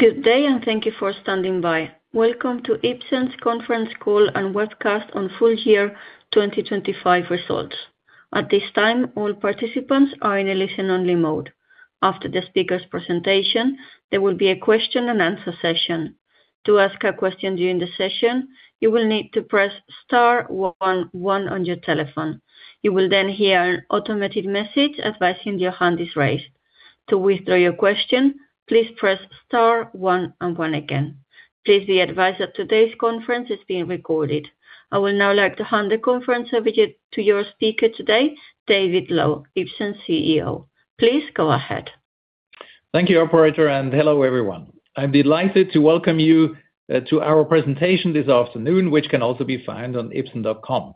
`Good day, and thank you for standing by. Welcome to Ipsen's conference call and webcast on full year 2025 results. At this time, all participants are in a listen-only mode. After the speaker's presentation, there will be a question and answer session. To ask a question during the session, you will need to press star one one on your telephone. You will then hear an automated message advising your hand is raised. To withdraw your question, please press star one and one again. Please be advised that today's conference is being recorded. I will now like to hand the conference over to your speaker today, David Loew, Ipsen CEO. Please go ahead. Thank you, operator, and hello, everyone. I'm delighted to welcome you to our presentation this afternoon, which can also be found on Ipsen.com.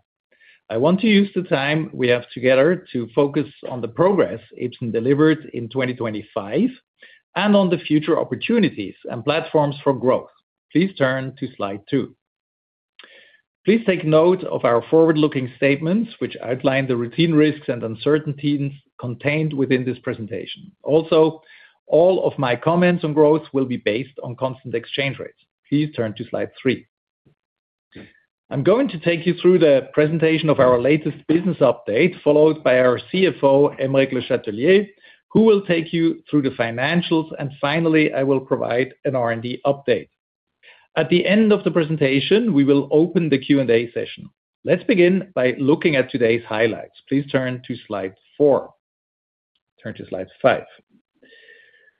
I want to use the time we have together to focus on the progress Ipsen delivered in 2025 and on the future opportunities and platforms for growth. Please turn to slide two. Please take note of our forward-looking statements, which outline the routine risks and uncertainties contained within this presentation. Also, all of my comments on growth will be based on constant exchange rates. Please turn to slide three. I'm going to take you through the presentation of our latest business update, followed by our CFO, Aymeric Le Chatelier, who will take you through the financials, and finally, I will provide an R&D update. At the end of the presentation, we will open the Q&A session. Let's begin by looking at today's highlights. Please turn to slide four. Turn to slide five.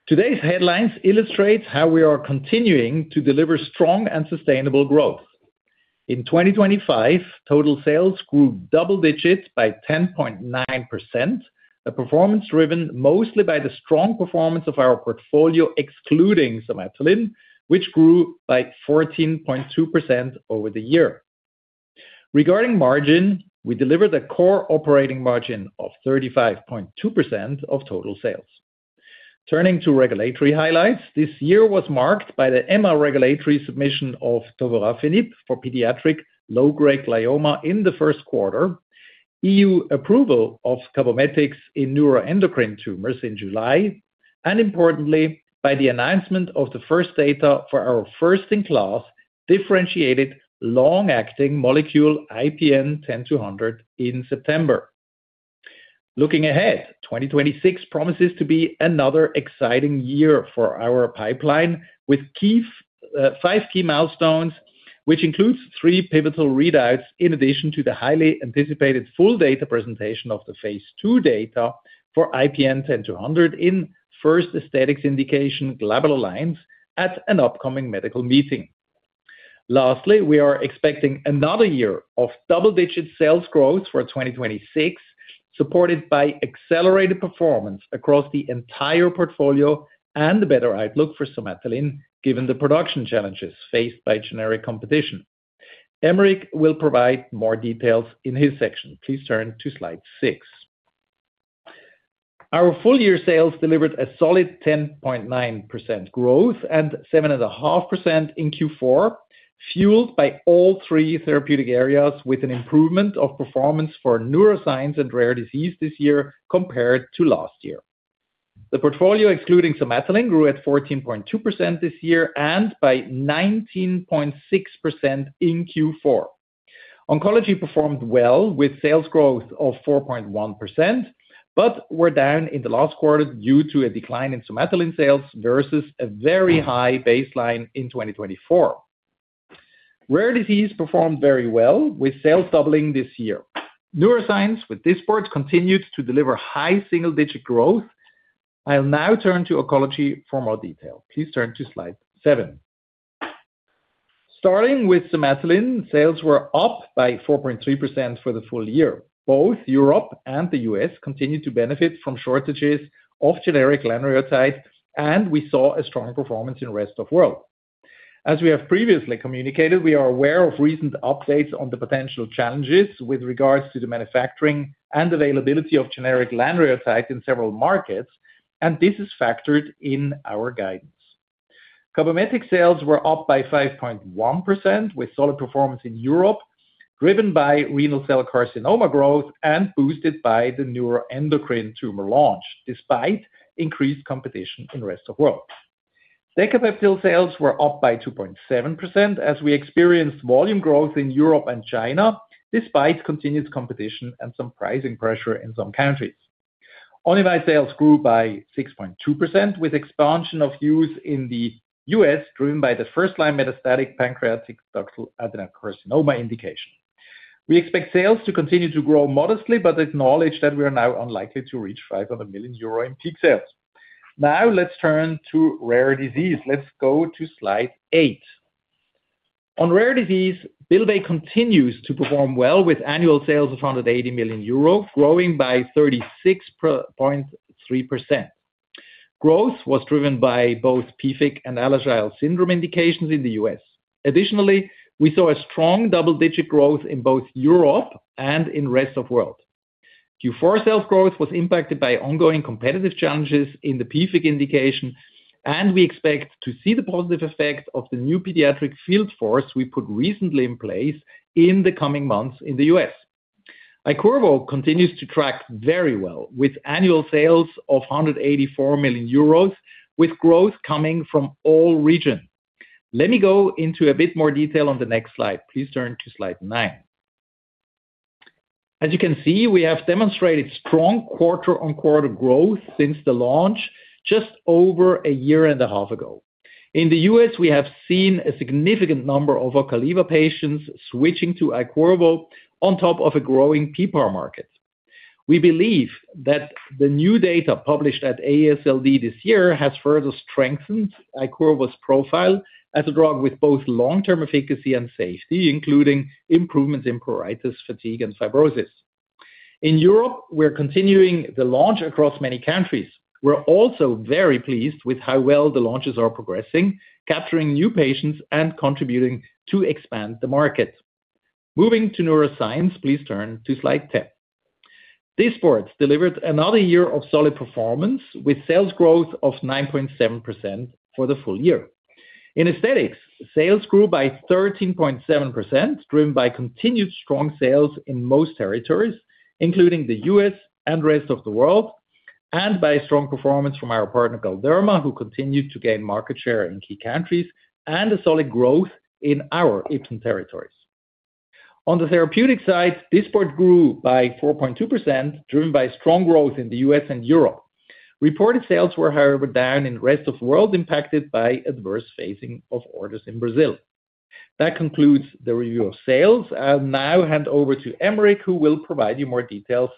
Today's headlines illustrates how we are continuing to deliver strong and sustainable growth. In 2025, total sales grew double digits by 10.9%, a performance driven mostly by the strong performance of our portfolio, excluding Somatuline, which grew by 14.2% over the year. Regarding margin, we delivered a core operating margin of 35.2% of total sales. Turning to regulatory highlights, this year was marked by the MA regulatory submission of tovorafenib for pediatric low-grade glioma in the first quarter, EU approval of CABOMETYX in neuroendocrine tumors in July, and importantly, by the announcement of the first data for our first-in-class differentiated long-acting molecule, IPN10200, in September. Looking ahead, 2026 promises to be another exciting year for our pipeline, with key, five key milestones, which includes three pivotal readouts, in addition to the highly anticipated full data presentation of the phase II data for IPN10200 in first aesthetics indication, glabellar lines, at an upcoming medical meeting. Lastly, we are expecting another year of double-digit sales growth for 2026, supported by accelerated performance across the entire portfolio and the better outlook for Somatuline, given the production challenges faced by generic competition. Aymeric will provide more details in his section. Please turn to slide six. Our full year sales delivered a solid 10.9% growth and 7.5% in Q4, fueled by all three therapeutic areas, with an improvement of performance for neuroscience and rare disease this year compared to last year. The portfolio, excluding Somatuline, grew at 14.2% this year and by 19.6% in Q4. Oncology performed well, with sales growth of 4.1%, but we're down in the last quarter due to a decline in Somatuline sales versus a very high baseline in 2024. Rare disease performed very well, with sales doubling this year. Neuroscience, with Dysport, continued to deliver high single-digit growth. I'll now turn to oncology for more detail. Please turn to slide seven. Starting with Somatuline, sales were up by 4.3% for the full year. Both Europe and the US continued to benefit from shortages of generic lanreotide, and we saw a strong performance in the rest of world. As we have previously communicated, we are aware of recent updates on the potential challenges with regards to the manufacturing and availability of generic lanreotide in several markets, and this is factored in our guidance. CABOMETYX sales were up by 5.1%, with solid performance in Europe, driven by renal cell carcinoma growth and boosted by the neuroendocrine tumor launch, despite increased competition in rest of world. Decapeptyl sales were up by 2.7% as we experienced volume growth in Europe and China, despite continuous competition and some pricing pressure in some countries. Onivyde sales grew by 6.2%, with expansion of use in the U.S., driven by the first-line metastatic pancreatic ductal adenocarcinoma indication. We expect sales to continue to grow modestly, but acknowledge that we are now unlikely to reach 500 million euro in peak sales. Now, let's turn to rare disease. Let's go to slide 8. On rare disease, Bylvay continues to perform well, with annual sales of 180 million euro, growing by 36.3%. Growth was driven by both PFIC and Alagille syndrome indications in the U.S. Additionally, we saw a strong double-digit growth in both Europe and in rest of world. Q4 sales growth was impacted by ongoing competitive challenges in the PFIC indication, and we expect to see the positive effects of the new pediatric field force we put recently in place in the coming months in the U.S.... Iqirvo continues to track very well, with annual sales of 184 million euros, with growth coming from all regions. Let me go into a bit more detail on the next slide. Please turn to slide nine. As you can see, we have demonstrated strong quarter-on-quarter growth since the launch just over a year and a half ago. In the US, we have seen a significant number of Ocaliva patients switching to Iqirvo on top of a growing PPAR market. We believe that the new data published at AASLD this year has further strengthened Iqirvo's profile as a drug with both long-term efficacy and safety, including improvements in pruritus, fatigue, and fibrosis. In Europe, we're continuing the launch across many countries. We're also very pleased with how well the launches are progressing, capturing new patients and contributing to expand the market. Moving to neuroscience, please turn to slide 10. Dysport delivered another year of solid performance, with sales growth of 9.7% for the full year. In aesthetics, sales grew by 13.7%, driven by continued strong sales in most territories, including the U.S. and rest of the world, and by strong performance from our partner, Galderma, who continued to gain market share in key countries, and a solid growth in our Ipsen territories. On the therapeutic side, Dysport grew by 4.2%, driven by strong growth in the U.S. and Europe. Reported sales were, however, down in the rest of the world, impacted by adverse phasing of orders in Brazil. That concludes the review of sales. I'll now hand over to Aymeric, who will provide you more details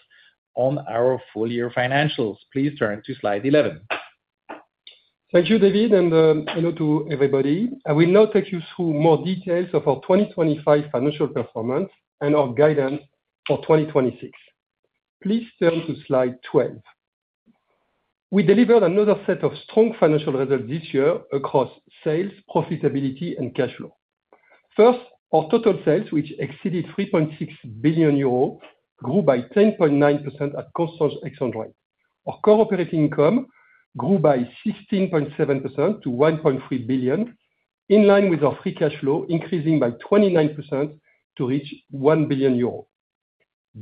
on our full year financials. Please turn to slide 11. Thank you, David, and hello to everybody. I will now take you through more details of our 2025 financial performance and our guidance for 2026. Please turn to slide 12. We delivered another set of strong financial results this year across sales, profitability, and cash flow. First, our total sales, which exceeded 3.6 billion euros, grew by 10.9% at constant exchange rate. Our core operating income grew by 16.7% to 1.3 billion, in line with our free cash flow, increasing by 29% to reach 1 billion euro.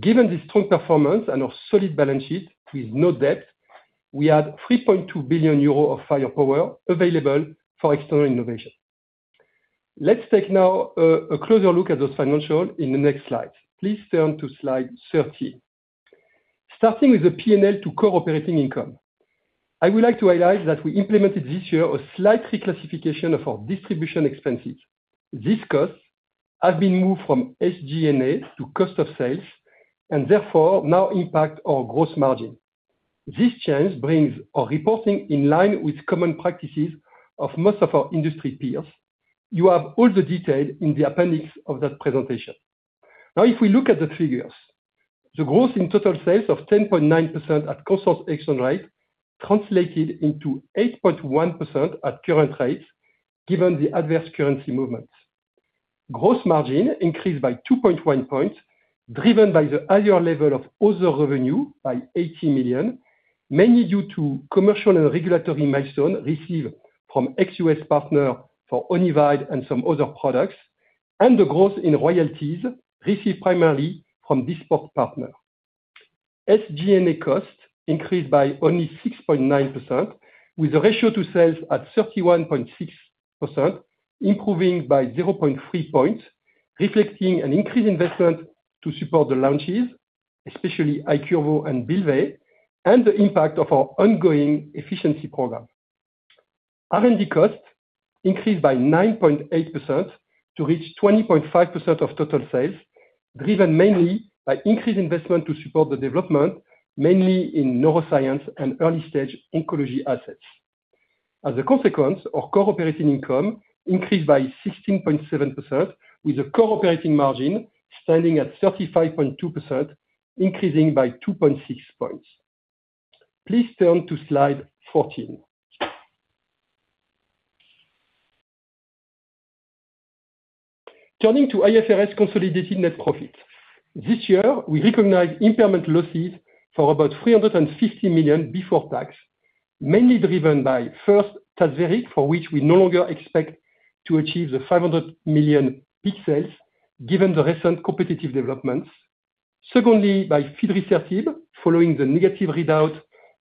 Given this strong performance and our solid balance sheet with no debt, we add 3.2 billion euro of firepower available for external innovation. Let's take now a closer look at those financials in the next slide. Please turn to slide 13. Starting with the P&L to core operating income, I would like to highlight that we implemented this year a slight reclassification of our distribution expenses. These costs have been moved from SG&A to cost of sales, and therefore now impact our gross margin. This change brings our reporting in line with common practices of most of our industry peers. You have all the detail in the appendix of that presentation. Now, if we look at the figures, the growth in total sales of 10.9% at constant exchange rate translated into 8.1% at current rates, given the adverse currency movements. Gross margin increased by 2.1 points, driven by the higher level of other revenue by 80 million, mainly due to commercial and regulatory milestone received from ex-US partner for Onivyde and some other products, and the growth in royalties received primarily from Dysport partner. SG&A costs increased by only 6.9%, with a ratio to sales at 31.6%, improving by 0.3 points, reflecting an increased investment to support the launches, especially Iqirvo and Bylvay, and the impact of our ongoing efficiency program. R&D costs increased by 9.8% to reach 20.5% of total sales, driven mainly by increased investment to support the development, mainly in neuroscience and early-stage oncology assets. As a consequence, our core operating income increased by 16.7%, with a core operating margin standing at 35.2%, increasing by 2.6 points. Please turn to slide 14. Turning to IFRS consolidated net profit. This year, we recognized impairment losses for about 350 million before tax, mainly driven by first, tesavarecitab, for which we no longer expect to achieve the 500 million peak sales, given the recent competitive developments. Secondly, by fidrisertib, following the negative readout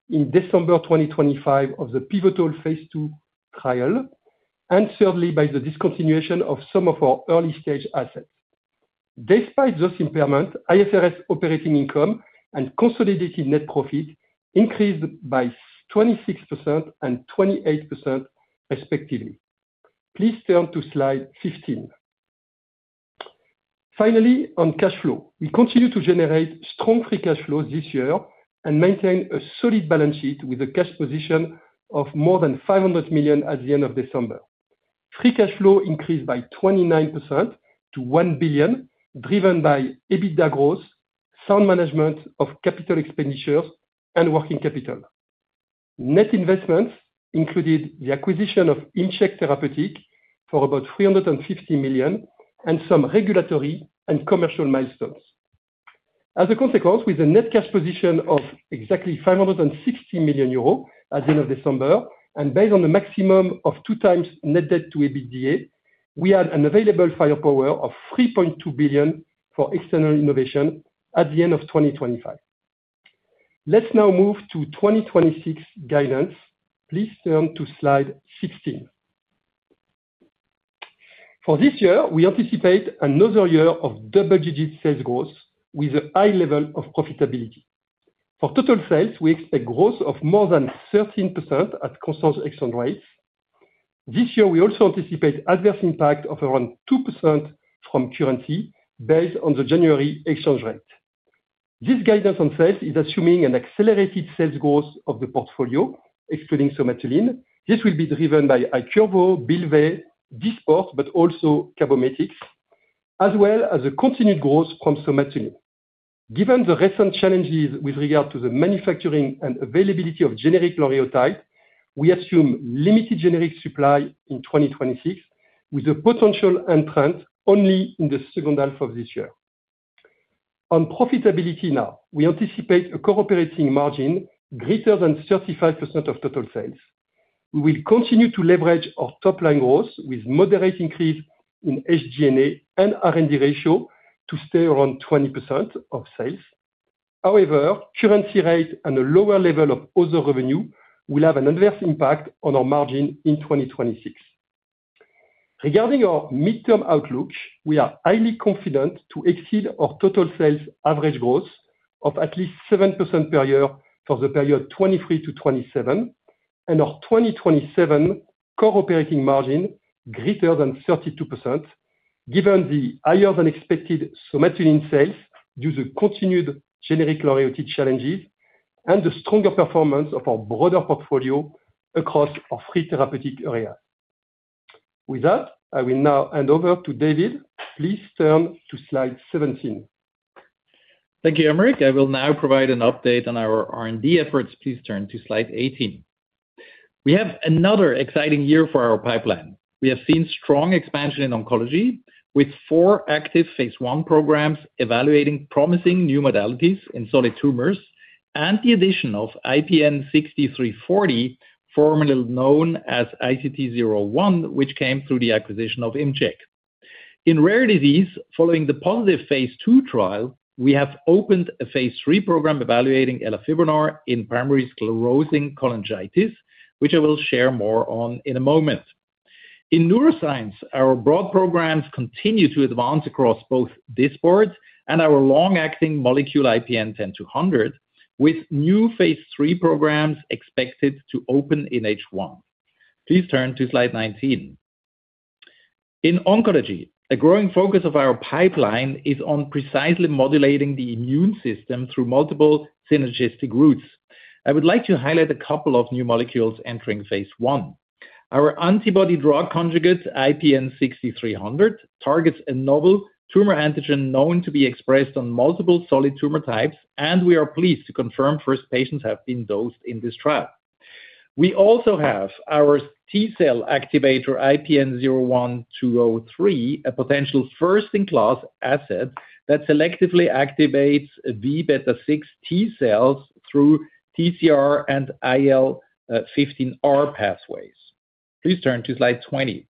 in December 2025 of the pivotal phase II trial. And thirdly, by the discontinuation of some of our early-stage assets. Despite this impairment, IFRS operating income and consolidated net profit increased by 26% and 28% respectively. Please turn to slide 15. Finally, on cash flow. We continue to generate strong free cash flows this year and maintain a solid balance sheet with a cash position of more than 500 million at the end of December. Free cash flow increased by 29% to 1 billion, driven by EBITDA growth, sound management of capital expenditures, and working capital. Net investments included the acquisition of ImCheck Therapeutics for about 350 million and some regulatory and commercial milestones. As a consequence, with a net cash position of exactly 560 million euros at the end of December, and based on a maximum of 2x net debt to EBITDA. We had an available firepower of 3.2 billion for external innovation at the end of 2025. Let's now move to 2026 guidance. Please turn to slide 16. For this year, we anticipate another year of double-digit sales growth with a high level of profitability. For total sales, we expect growth of more than 13% at constant exchange rates. This year, we also anticipate adverse impact of around 2% from currency, based on the January exchange rate. This guidance on sales is assuming an accelerated sales growth of the portfolio, excluding Somatuline. This will be driven by Iqirvo, Bylvay, Dysport, but also Cabometyx, as well as a continued growth from Somatuline. Given the recent challenges with regard to the manufacturing and availability of generic lanreotide, we assume limited generic supply in 2026, with a potential entrant only in the second half of this year. On profitability now, we anticipate a core operating margin greater than 35% of total sales. We will continue to leverage our top-line growth with moderate increase in SG&A and R&D ratio to stay around 20% of sales. However, currency rate and a lower level of other revenue will have an adverse impact on our margin in 2026. Regarding our midterm outlook, we are highly confident to exceed our total sales average growth of at least 7% per year for the period 2023-2027, and our 2027 core operating margin greater than 32%, given the higher-than-expected Somatuline sales due to continued generic lanreotide challenges and the stronger performance of our broader portfolio across our three therapeutic areas. With that, I will now hand over to David. Please turn to slide 17. Thank you, Aymeric. I will now provide an update on our R&D efforts. Please turn to slide 18. We have another exciting year for our pipeline. We have seen strong expansion in oncology, with four active phase I programs evaluating promising new modalities in solid tumors, and the addition of IPN6340, formerly known as ICT01, which came through the acquisition of ImCheck. In rare disease, following the positive phase II trial, we have opened a phase III program evaluating elafibranor in primary sclerosing cholangitis, which I will share more on in a moment. In neuroscience, our broad programs continue to advance across both Dysport and our long-acting molecule, IPN-10200, with new phase III programs expected to open in H1. Please turn to slide 19. In oncology, a growing focus of our pipeline is on precisely modulating the immune system through multiple synergistic routes. I would like to highlight a couple of new molecules entering phase I. Our antibody drug conjugates, IPN6300, targets a novel tumor antigen known to be expressed on multiple solid tumor types, and we are pleased to confirm first patients have been dosed in this trial. We also have our T-cell activator, IPN-01203, a potential first-in-class asset that selectively activates Vbeta-6 T-cells through TCR and IL-15R pathways. Please turn to slide 20.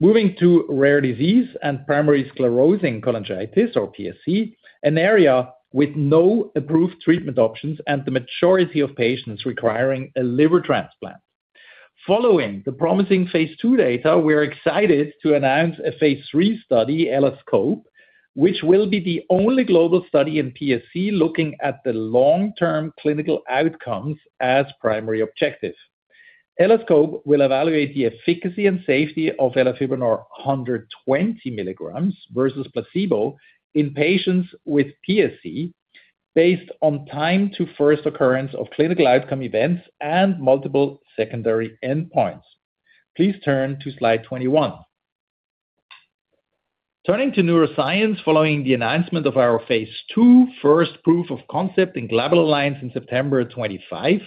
Moving to rare disease and primary sclerosing cholangitis, or PSC, an area with no approved treatment options and the majority of patients requiring a liver transplant. Following the promising phase II data, we are excited to announce a phase III study, LSCOPE, which will be the only global study in PSC looking at the long-term clinical outcomes as primary objectives. LSCOPE will evaluate the efficacy and safety of elafibranor 120 milligrams versus placebo in patients with PSC based on time to first occurrence of clinical outcome events and multiple secondary endpoints. Please turn to slide 21. Turning to neuroscience, following the announcement of our phase II first proof of concept in glabellar lines in September of 2025,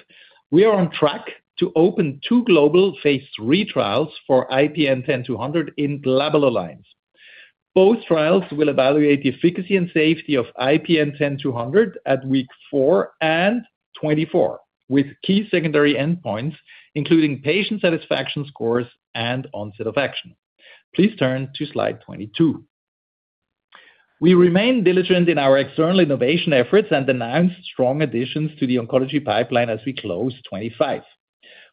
we are on track to open two global phase III trials for IPN10200 in glabellar lines. Both trials will evaluate the efficacy and safety of IPN10200 at week four and 24, with key secondary endpoints, including patient satisfaction scores and onset of action. Please turn to slide 22. We remain diligent in our external innovation efforts and announced strong additions to the oncology pipeline as we close 2025.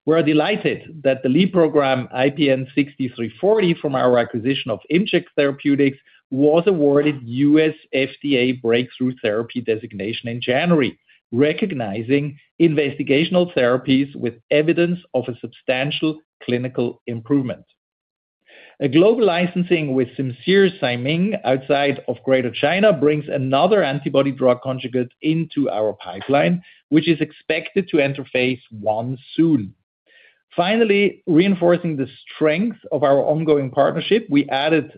We are delighted that the lead program, IPN6340, from our acquisition of ImCheck Therapeutics, was awarded U.S. FDA Breakthrough Therapy designation in January, recognizing investigational therapies with evidence of a substantial clinical improvement. A global licensing with Simcere Zaiming outside of Greater China brings another antibody drug conjugate into our pipeline, which is expected to enter phase I soon. Finally, reinforcing the strength of our ongoing partnership, we added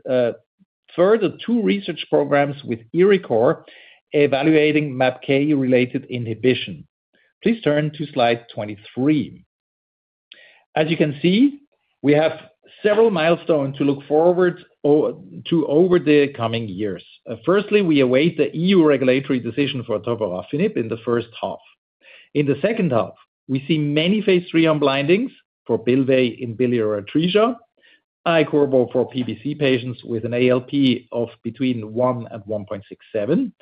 further two research programs with Exelixis, evaluating MAPK-related inhibition. Please turn to slide 23. As you can see, we have several milestones to look forward to over the coming years. Firstly, we await the E.U. regulatory decision for tovorafenib in the first half. In the second half, we see many phase III unblindings for Bylvay in biliary atresia, Iqirvo for PBC patients with an ALP of between 1 and 1.67,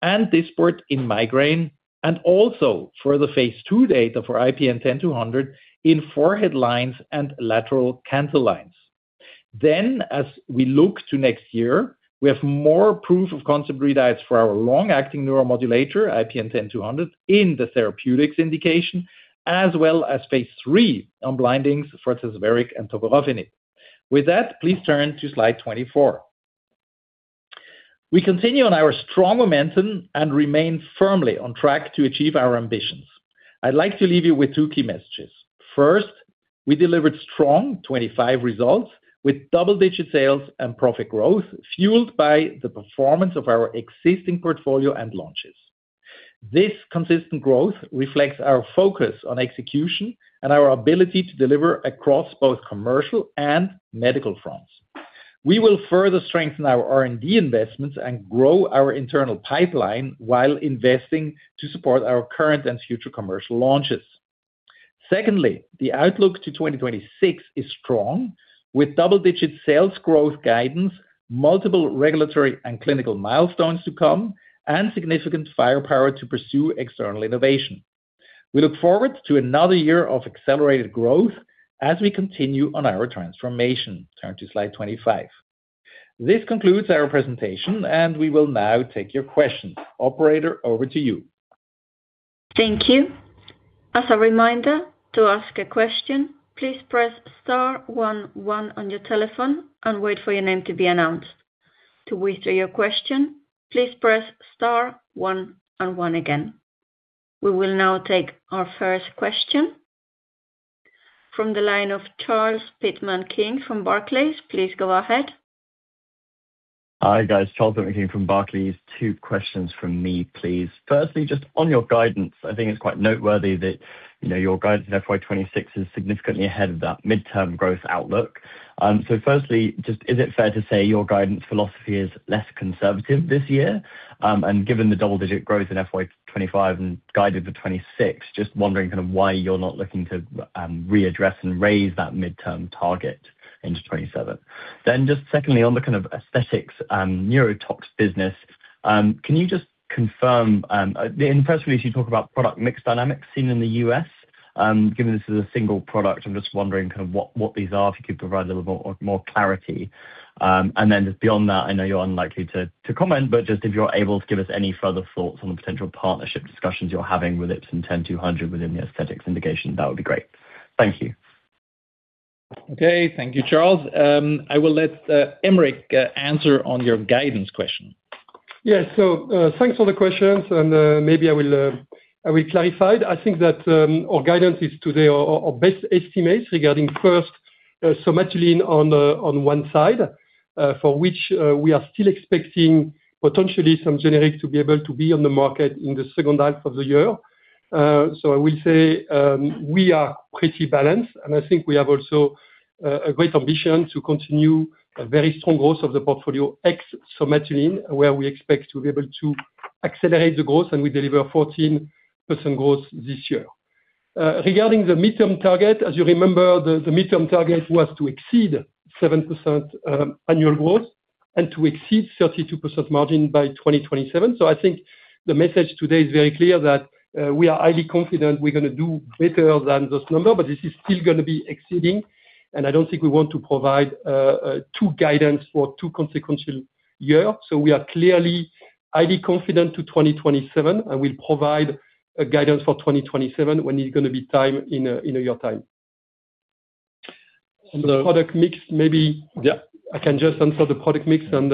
and Dysport in migraine, and also further phase II data for IPN10200 in forehead lines and lateral canthal lines. Then, as we look to next year, we have more proof of concept readouts for our long-acting neuromodulator, IPN10200, in the therapeutics indication, as well as phase III unblindings for tesavarecitab and togevirsen. With that, please turn to slide 24. We continue on our strong momentum and remain firmly on track to achieve our ambitions. I'd like to leave you with two key messages. First, we delivered strong 2025 results, with double-digit sales and profit growth, fueled by the performance of our existing portfolio and launches. This consistent growth reflects our focus on execution and our ability to deliver across both commercial and medical fronts. We will further strengthen our R&D investments and grow our internal pipeline while investing to support our current and future commercial launches. Secondly, the outlook to 2026 is strong, with double-digit sales growth guidance, multiple regulatory and clinical milestones to come, and significant firepower to pursue external innovation. We look forward to another year of accelerated growth as we continue on our transformation. Turn to slide 25. This concludes our presentation, and we will now take your questions. Operator, over to you. Thank you. As a reminder, to ask a question, please press star one one on your telephone and wait for your name to be announced. To withdraw your question, please press star one and one again. We will now take our first question from the line of Charles Pitman-King from Barclays. Please go ahead. Hi, guys, Charles Pittman King from Barclays. Two questions from me, please. Firstly, just on your guidance, I think it's quite noteworthy that, you know, your guidance for FY 2026 is significantly ahead of that midterm growth outlook. So firstly, just is it fair to say your guidance philosophy is less conservative this year? And given the double-digit growth in FY 2025 and guided for 2026, just wondering kind of why you're not looking to readdress and raise that midterm target into 2027. Then just secondly, on the kind of aesthetics and neurotox business, can you just confirm, in the press release, you talk about product mix dynamics seen in the U.S. Given this is a single product, I'm just wondering kind of what these are, if you could provide a little more clarity. And then just beyond that, I know you're unlikely to comment, but just if you're able to give us any further thoughts on the potential partnership discussions you're having with Ipsen IPN10200 within the aesthetics indication, that would be great. Thank you. Okay, thank you, Charles. I will let Aymeric answer on your guidance question. Yes, so, thanks for the questions, and, maybe I will, I will clarify. I think that, our guidance is today our, our best estimates regarding first, Somatuline on, on one side, for which, we are still expecting potentially some generics to be able to be on the market in the second half of the year. So I will say, we are pretty balanced, and I think we have also, a great ambition to continue a very strong growth of the portfolio, ex Somatuline, where we expect to be able to accelerate the growth, and we deliver 14% growth this year. Regarding the midterm target, as you remember, the, the midterm target was to exceed 7% annual growth and to exceed 32% margin by 2027. So I think the message today is very clear that we are highly confident we're gonna do better than this number, but this is still gonna be exceeding, and I don't think we want to provide two guidance for two consequential year. So we are clearly highly confident to 2027 and will provide a guidance for 2027 when it's gonna be time in a, in a year time. On the- product mix, maybe- Yeah. I can just answer the product mix and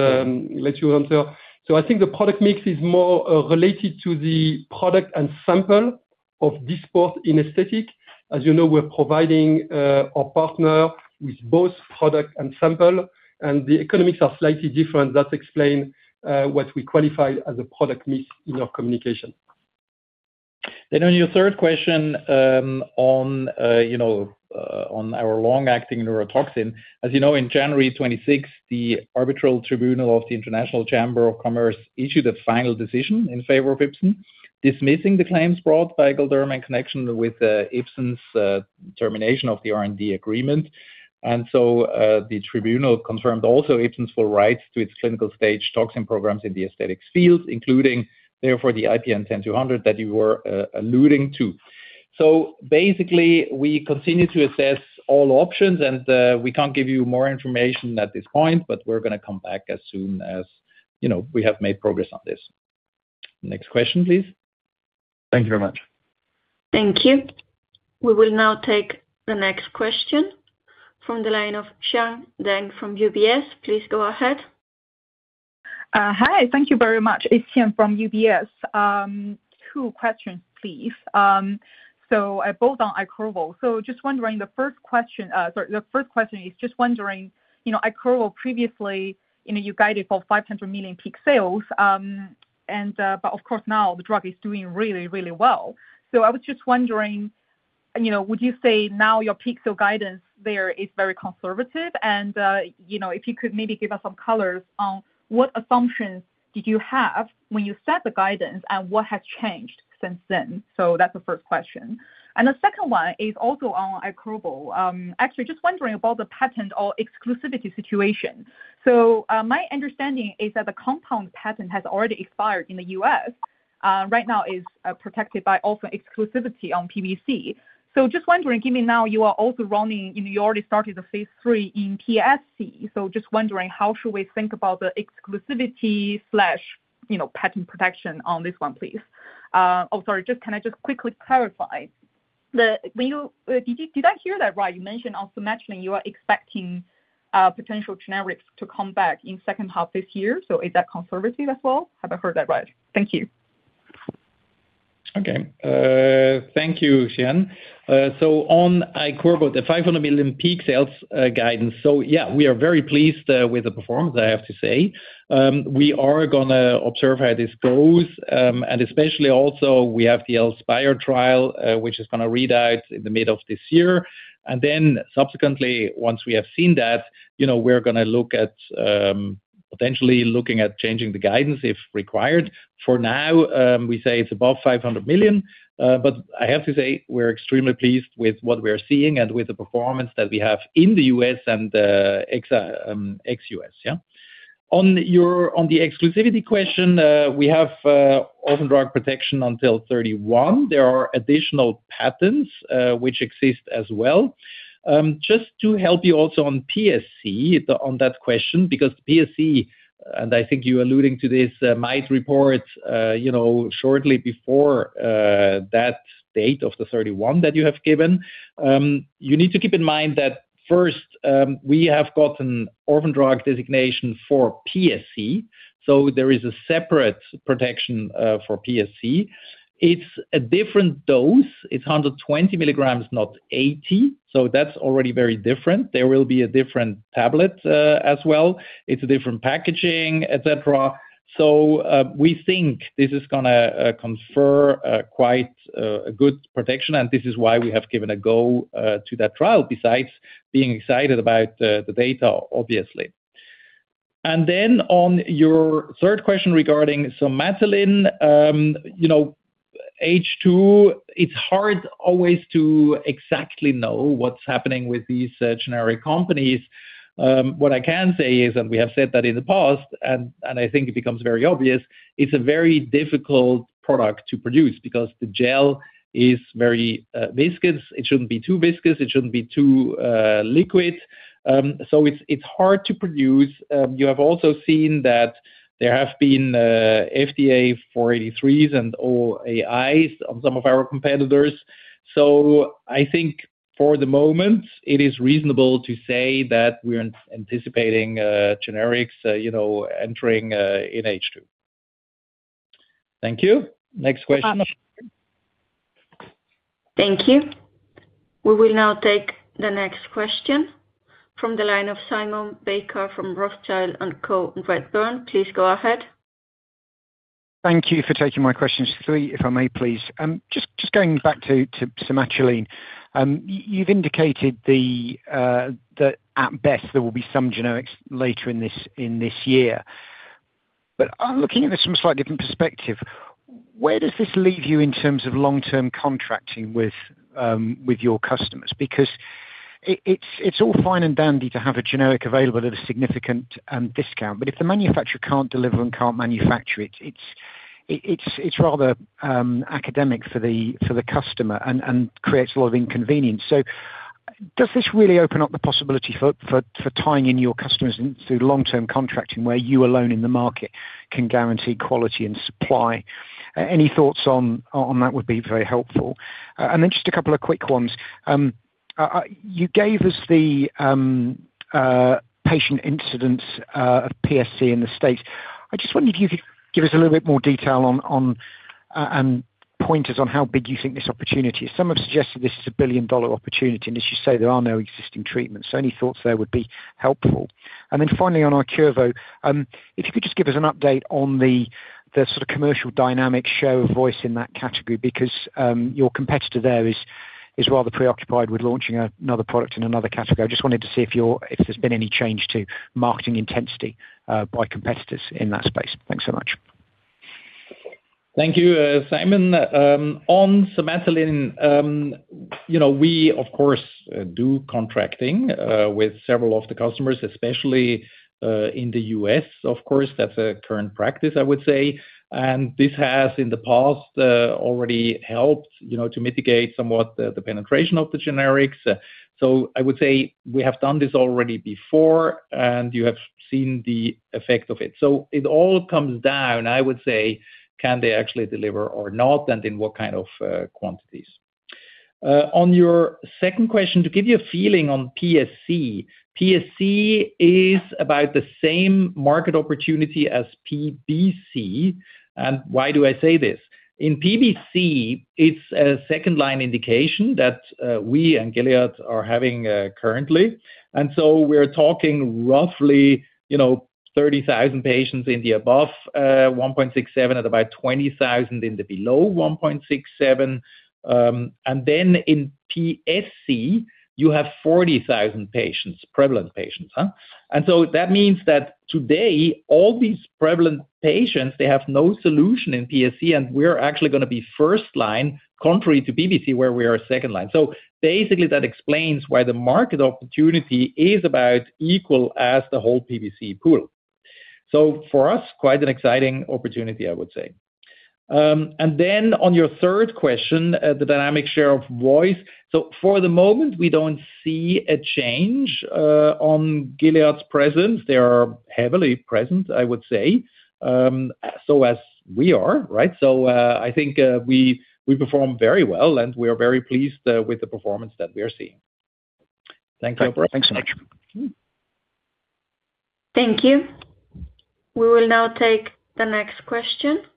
let you answer. So I think the product mix is more related to the product and sample of Dysport in aesthetic. As you know, we're providing our partner with both product and sample, and the economics are slightly different. That explain what we qualify as a product mix in our communication. Then on your third question, on, you know, on our long-acting neurotoxin. As you know, in January of 2026, the Arbitral Tribunal of the International Chamber of Commerce issued a final decision in favor of Ipsen, dismissing the claims brought by Galderma in connection with Ipsen's termination of the R&D agreement. And so, the tribunal confirmed also Ipsen's full rights to its clinical-stage toxin programs in the aesthetics field, including therefore, the IPN10200 that you were alluding to. So basically, we continue to assess all options, and we can't give you more information at this point, but we're gonna come back as soon as, you know, we have made progress on this. Next question, please. Thank you very much. Thank you. We will now take the next question from the line of Xian Deng from UBS. Please go ahead. Hi, thank you very much. It's Xian from UBS. Two questions, please. So, both on Iqirvo. So just wondering, the first question is just wondering, you know, Iqirvo previously, you know, you guided for 500 million peak sales, and, but of course, now the drug is doing really, really well. So I was just wondering, you know, would you say now your peak guidance there is very conservative? And, you know, if you could maybe give us some colors on what assumptions did you have when you set the guidance, and what has changed since then? So that's the first question. And the second one is also on Iqirvo. Actually, just wondering about the patent or exclusivity situation. So, my understanding is that the compound patent has already expired in the U.S. Right now is protected by also exclusivity on PBC. So just wondering, given now you are also running, and you already started the phase III in PSC, so just wondering, how should we think about the exclusivity slash, you know, patent protection on this one, please? Can I just quickly clarify? The, when you—did you, did I hear that right? You mentioned also matching, you are expecting potential generics to come back in second half this year, so is that conservative as well? Have I heard that right? Thank you. Okay. Thank you, Xian. So on Iqirvo, the 500 million peak sales guidance. So yeah, we are very pleased with the performance, I have to say. We are gonna observe how this goes, and especially also we have the inspire trial, which is gonna read out in the middle of this year. And then subsequently, once we have seen that, you know, we're gonna look at potentially looking at changing the guidance, if required. For now, we say it's above 500 million, but I have to say, we're extremely pleased with what we are seeing and with the performance that we have in the US and ex-US. On your-- on the exclusivity question, we have orphan drug protection until 2031. There are additional patents which exist as well. Just to help you also on PSC, on that question, because PSC, and I think you're alluding to this, might report, you know, shortly before that date of the 31 that you have given. You need to keep in mind that first, we have gotten orphan drug designation for PSC, so there is a separate protection for PSC. It's a different dose. It's 120 milligrams, not 80, so that's already very different. There will be a different tablet as well. It's a different packaging, et cetera. So, we think this is gonna confer quite good protection, and this is why we have given a go to that trial, besides being excited about the data, obviously. And then on your third question regarding Somatuline, you know, H2, it's hard always to exactly know what's happening with these, generic companies. What I can say is, and we have said that in the past, and, and I think it becomes very obvious, it's a very difficult product to produce because the gel is very, viscous. It shouldn't be too viscous, it shouldn't be too, liquid. So it's, it's hard to produce. You have also seen that there have been, FDA 483s and OAIs on some of our competitors. So I think for the moment, it is reasonable to say that we're anticipating, generics, you know, entering, in H2. Thank you. Next question. Thank you. We will now take the next question from the line of Simon Baker from Rothschild & Co Redburn. Please go ahead. Thank you for taking my questions. Three, if I may, please. Just going back to Somatuline. You've indicated that at best, there will be some generics later in this year. But I'm looking at this from a slightly different perspective. Where does this leave you in terms of long-term contracting with your customers? Because it's all fine and dandy to have a generic available at a significant discount, but if the manufacturer can't deliver and can't manufacture it, it's rather academic for the customer and creates a lot of inconvenience. So does this really open up the possibility for tying in your customers into long-term contracting, where you alone in the market can guarantee quality and supply? Any thoughts on that would be very helpful. And then just a couple of quick ones. You gave us the patient incidence of PSC in the States. I just wonder if you could give us a little bit more detail on and point us on how big you think this opportunity is. Some have suggested this is a billion-dollar opportunity, and as you say, there are no existing treatments. So any thoughts there would be helpful. And then finally, on Iqirvo, if you could just give us an update on the sort of commercial dynamic share of voice in that category, because your competitor there is rather preoccupied with launching another product in another category. I just wanted to see if there's been any change to marketing intensity by competitors in that space. Thanks so much. Thank you, Simon. On Somatuline, you know, we of course do contracting with several of the customers, especially in the US. Of course, that's a current practice, I would say. And this has, in the past, already helped, you know, to mitigate somewhat the penetration of the generics. So I would say we have done this already before, and you have seen the effect of it. So it all comes down, I would say, can they actually deliver or not, and in what kind of quantities? On your second question, to give you a feeling on PSC, PSC is about the same market opportunity as PBC. And why do I say this?... In PBC, it's a second line indication that we and Gilead are having currently. And so we're talking roughly, you know, 30,000 patients in the above one point six seven, at about 20,000 in the below one point six seven. And then in PSC, you have 40,000 patients, prevalent patients, huh? And so that means that today, all these prevalent patients, they have no solution in PSC, and we're actually gonna be first line, contrary to PBC, where we are second line. So basically, that explains why the market opportunity is about equal as the whole PBC pool. So for us, quite an exciting opportunity, I would say. And then on your third question, the dynamic share of voice. So for the moment, we don't see a change on Gilead's presence. They are heavily present, I would say, so as we are, right? I think we perform very well, and we are very pleased with the performance that we are seeing. Thank you. Thanks so much. Thank you. We will now take the next question from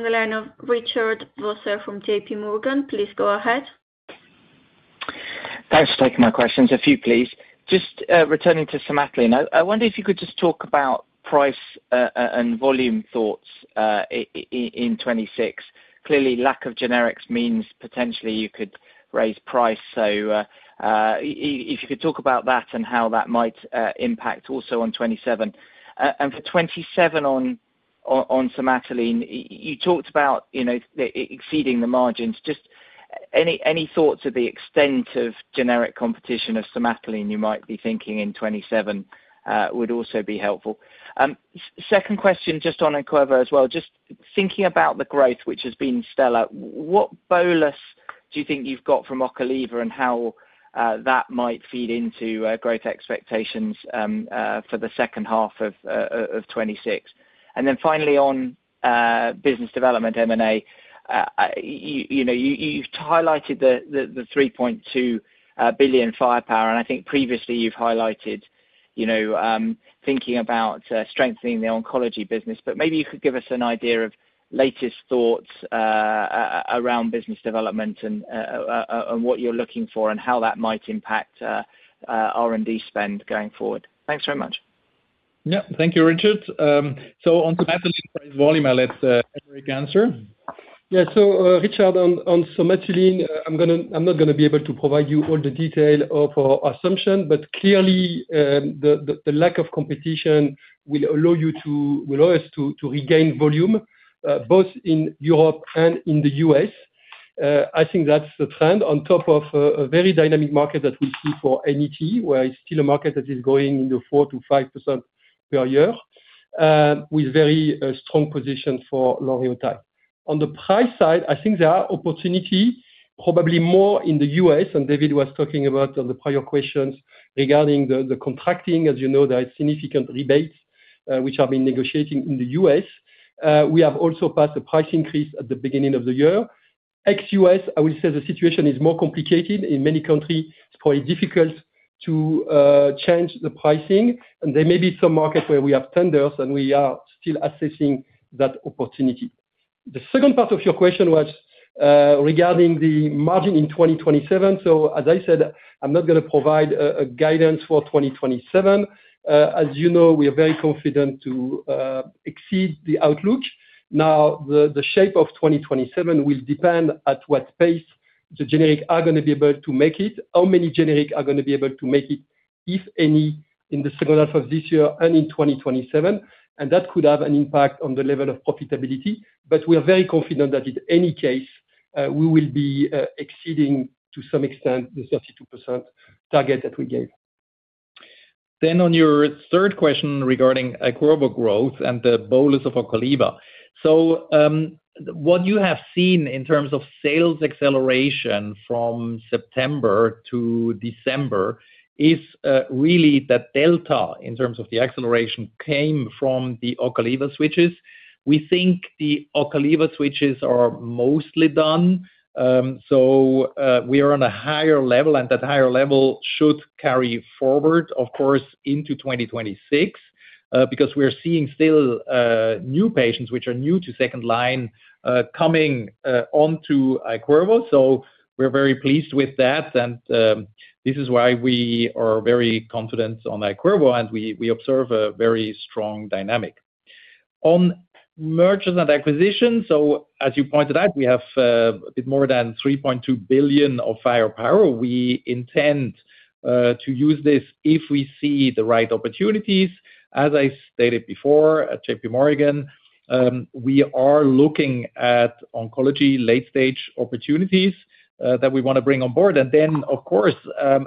the line of Richard Vosser from JP Morgan. Please go ahead. Thanks for taking my questions. A few, please. Just returning to Somatuline. I wonder if you could just talk about price and volume thoughts in 2026. Clearly, lack of generics means potentially you could raise price. So if you could talk about that and how that might impact also on 2027. And for 2027 on Somatuline, you talked about, you know, exceeding the margins. Just any thoughts of the extent of generic competition of Somatuline you might be thinking in 2027 would also be helpful. Second question, just on Iqirvo as well, just thinking about the growth, which has been stellar. What bolus do you think you've got from Ocaliva and how that might feed into growth expectations for the second half of 2026? Finally, on business development, M&A, you know, you've highlighted the 3.2 billion firepower, and I think previously you've highlighted, you know, thinking about strengthening the oncology business. But maybe you could give us an idea of latest thoughts around business development and what you're looking for, and how that might impact R&D spend going forward. Thanks very much. Yeah. Thank you, Richard. So on Somatuline price volume, I'll let Frederick answer. Yeah. Richard, on Somatuline, I'm gonna, I'm not gonna be able to provide you all the detail of our assumption, but clearly, the lack of competition will allow us to regain volume both in Europe and in the US. I think that's the trend on top of a very dynamic market that we see for NET, where it's still a market that is growing in the 4%-5% per year, with a strong position for lanreotide. On the price side, I think there are opportunity, probably more in the US, and David was talking about on the prior questions regarding the contracting. As you know, there are significant rebates which have been negotiating in the US. We have also passed a price increase at the beginning of the year. Ex-US, I will say the situation is more complicated. In many countries, it's quite difficult to change the pricing, and there may be some markets where we have tenders, and we are still assessing that opportunity. The second part of your question was regarding the margin in 2027. So as I said, I'm not gonna provide a guidance for 2027. As you know, we are very confident to exceed the outlook. Now, the shape of 2027 will depend at what pace the generic are gonna be able to make it, how many generic are gonna be able to make it, if any, in the second half of this year and in 2027, and that could have an impact on the level of profitability. We are very confident that in any case, we will be exceeding to some extent the 32% target that we gave. Then on your third question regarding Iqirvo growth and the bolus of Ocaliva. So, what you have seen in terms of sales acceleration from September to December is, really the delta in terms of the acceleration came from the Ocaliva switches. We think the Ocaliva switches are mostly done, so, we are on a higher level, and that higher level should carry forward, of course, into 2026, because we are seeing still, new patients, which are new to second line, coming, onto Iqirvo. So we're very pleased with that, and, this is why we are very confident on Iqirvo, and we, we observe a very strong dynamic. On mergers and acquisitions, so as you pointed out, we have, a bit more than 3.2 billion of firepower. We intend to use this if we see the right opportunities. As I stated before, at JP Morgan, we are looking at oncology late stage opportunities that we wanna bring on board. And then, of course,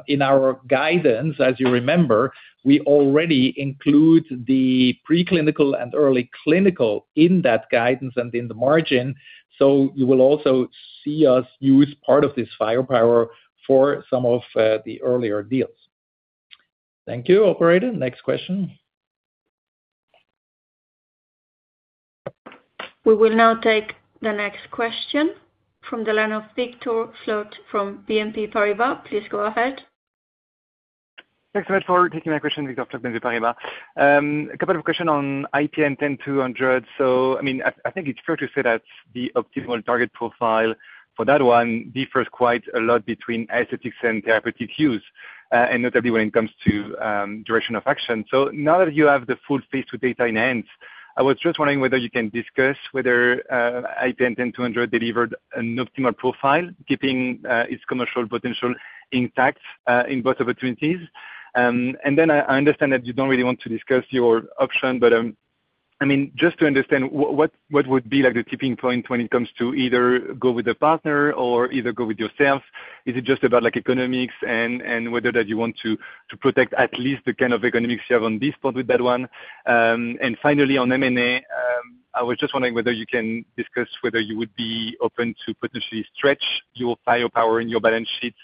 in our guidance, as you remember, we already include the preclinical and early clinical in that guidance and in the margin. So you will also see us use part of this firepower for some of the earlier deals. Thank you, operator. Next question. We will now take the next question from the line of Victor Floc'h from BNP Paribas. Please go ahead. Thanks so much for taking my question, Victor from BNP Paribas. A couple of questions on IPN10200. So, I mean, I think it's fair to say that the optimal target profile for that one differs quite a lot between aesthetics and therapeutic use, and notably when it comes to duration of action. So now that you have the full phase two data in hand, I was just wondering whether you can discuss whether IPN10200 delivered an optimal profile, keeping its commercial potential intact in both opportunities. And then I understand that you don't really want to discuss your option, but I mean, just to understand, what would be like the tipping point when it comes to either go with a partner or either go with yourself? Is it just about like economics and, and whether that you want to, to protect at least the kind of economics you have on this part with that one? And finally, on M&A, I was just wondering whether you can discuss whether you would be open to potentially stretch your firepower and your balance sheet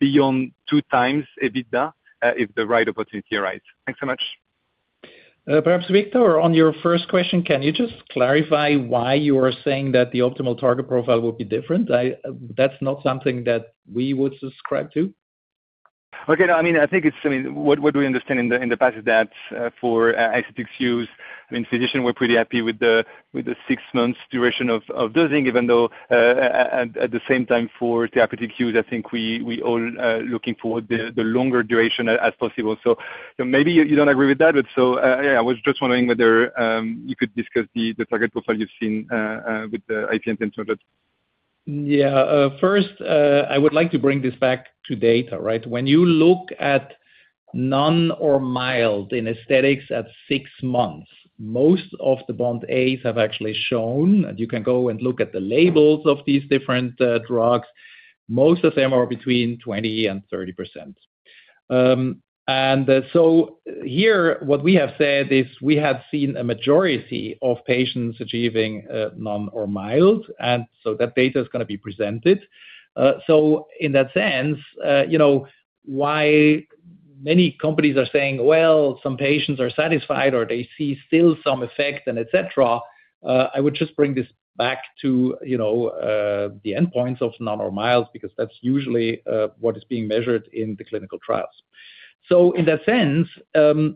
beyond 2x EBITDA, if the right opportunity arrives. Thanks so much. Perhaps, Victor, on your first question, can you just clarify why you are saying that the optimal target profile would be different? I, that's not something that we would subscribe to. Okay. No, I mean, I think it's—I mean, what we understand in the past is that for aesthetic use, I mean, physicians were pretty happy with the six months duration of dosing. Even though at the same time, for therapeutic use, I think we all looking for the longer duration as possible. So maybe you don't agree with that, but so, yeah, I was just wondering whether you could discuss the target profile you've seen with the IPN10200. Yeah. First, I would like to bring this back to data, right? When you look at none or mild in aesthetics at six months, most of the bond As have actually shown, and you can go and look at the labels of these different, drugs. Most of them are between 20%-30%. And so here, what we have said is we have seen a majority of patients achieving, none or mild, and so that data is gonna be presented. So in that sense, you know, why many companies are saying, "Well, some patients are satisfied or they see still some effect," and et cetera, I would just bring this back to, you know, the endpoints of none or mild, because that's usually, what is being measured in the clinical trials. So in that sense,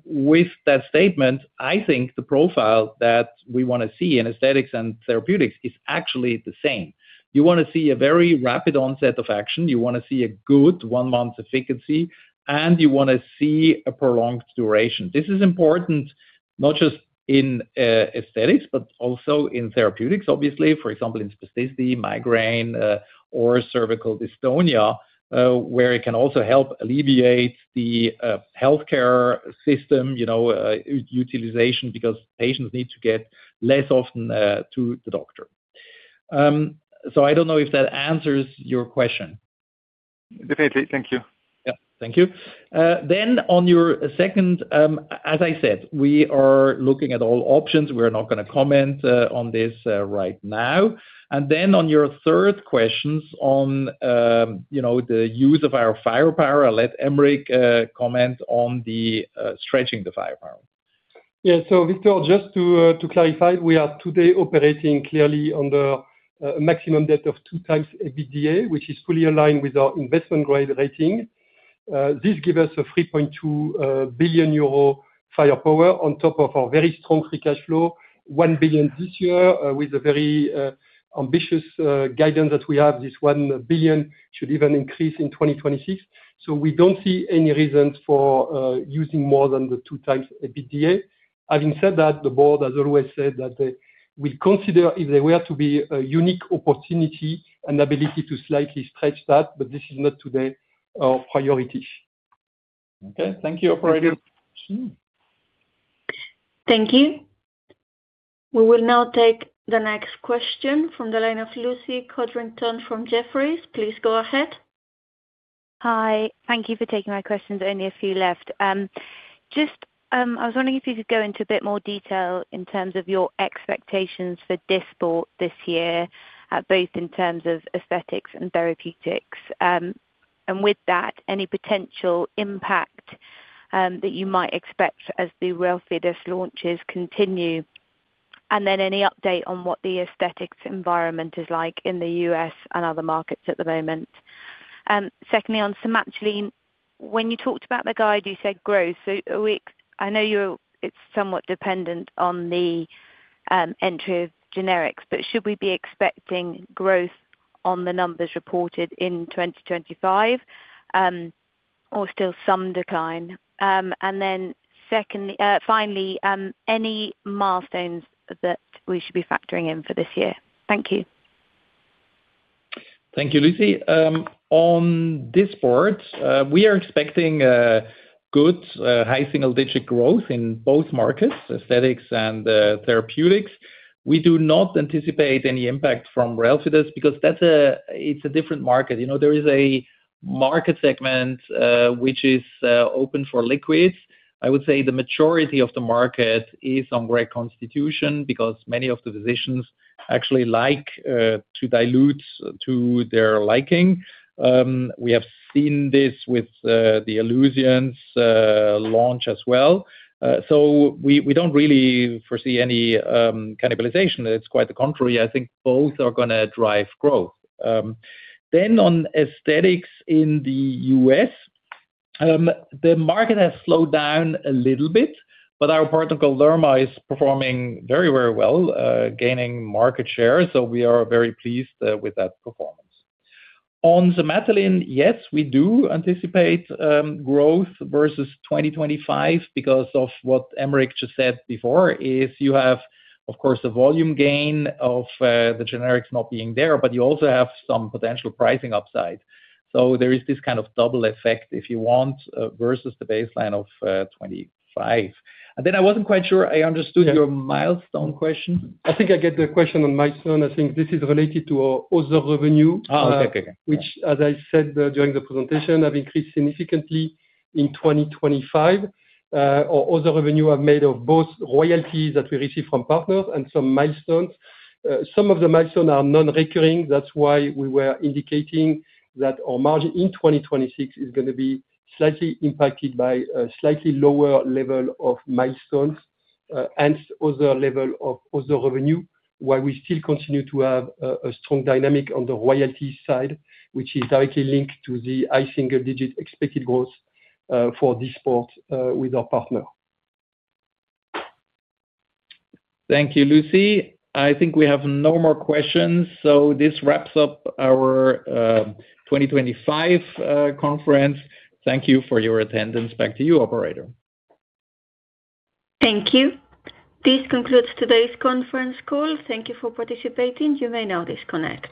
with that statement, I think the profile that we wanna see in aesthetics and therapeutics is actually the same. You wanna see a very rapid onset of action, you wanna see a good one-month efficacy, and you wanna see a prolonged duration. This is important not just in aesthetics, but also in therapeutics, obviously. For example, in spasticity, migraine, or cervical dystonia, where it can also help alleviate the healthcare system, you know, utilization, because patients need to get less often to the doctor. So I don't know if that answers your question. Definitely. Thank you. Yeah. Thank you. Then on your second, as I said, we are looking at all options. We're not gonna comment on this right now. And then on your third questions on, you know, the use of our firepower, I'll let Aymeric comment on the stretching the firepower. Yeah. So Victor, just to clarify, we are today operating clearly on the maximum debt of 2x EBITDA, which is fully aligned with our investment grade rating. This give us a 3.2 billion euro firepower on top of our very strong free cash flow, 1 billion this year, with a very ambitious guidance that we have. This 1 billion should even increase in 2026. So we don't see any reasons for using more than the 2x EBITDA. Having said that, the board has always said that they will consider, if there were to be a unique opportunity and ability to slightly stretch that, but this is not today our priorities. Okay. Thank you, operator. Thank you. We will now take the next question from the line of Lucy Codrington from Jefferies. Please go ahead. Hi. Thank you for taking my questions. There are only a few left. Just, I was wondering if you could go into a bit more detail in terms of your expectations for Dysport this year, both in terms of aesthetics and therapeutics. And with that, any potential impact that you might expect as the Relfydess launches continue, and then any update on what the aesthetics environment is like in the U.S. and other markets at the moment. Secondly, on Somatuline. When you talked about the guide, you said growth, so are we? I know you're. It's somewhat dependent on the entry of generics, but should we be expecting growth on the numbers reported in 2025, or still some decline? And then secondly, finally, any milestones that we should be factoring in for this year? Thank you. Thank you, Lucy. On Dysport, we are expecting good high single-digit growth in both markets, aesthetics and therapeutics. We do not anticipate any impact from Relfydess because it's a different market. You know, there is a market segment which is open for liquids. I would say the majority of the market is on reconstituted because many of the physicians actually like to dilute to their liking. We have seen this with the Alluzience launch as well. So we don't really foresee any cannibalization. It's quite the contrary. I think both are gonna drive growth. Then on aesthetics in the US, the market has slowed down a little bit, but our partner [Galderma] is performing very, very well, gaining market share, so we are very pleased with that performance. On Somatuline, yes, we do anticipate growth versus 2025 because of what Aymeric just said before, is you have, of course, the volume gain of the generics not being there, but you also have some potential pricing upside. So there is this kind of double effect, if you want, versus the baseline of 25. And then I wasn't quite sure I understood your milestone question. I think I get the question on milestone. I think this is related to our other revenue- Oh, okay. Which, as I said during the presentation, have increased significantly in 2025. Our other revenue are made of both royalties that we receive from partners and some milestones. Some of the milestones are non-recurring. That's why we were indicating that our margin in 2026 is gonna be slightly impacted by a slightly lower level of milestones, and other level of other revenue, while we still continue to have a strong dynamic on the royalty side, which is directly linked to the high single-digit expected growth for Dysport with our partner. Thank you, Lucy. I think we have no more questions, so this wraps up our 2025 conference. Thank you for your attendance. Back to you, operator. Thank you. This concludes today's conference call. Thank you for participating. You may now disconnect.